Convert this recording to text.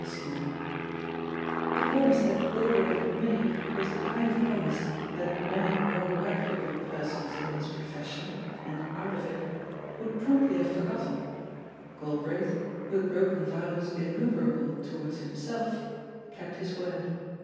CHAPTER II The promise that Galbraith had made was the kind of promise that many more reputable per sons in his profession, and out of it, would promptly have forgotten; Galbraith, who had broken vows innumerable towards himself, kept his word.